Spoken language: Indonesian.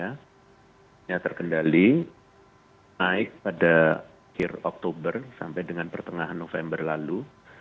hanya terkendali naik pada akhir oktober sampai dengan pertengahan november lalu